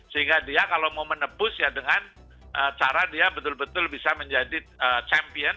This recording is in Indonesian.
sehingga dia kalau mau menebus ya dengan cara dia betul betul bisa menjadi champion